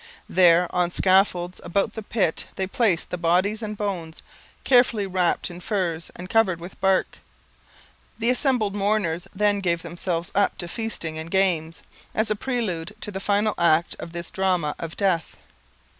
There on scaffolds about the pit they placed the bodies and bones, carefully wrapped in furs and covered with bark. The assembled mourners then gave themselves up to feasting and games, as a prelude to the final act of this drama of death.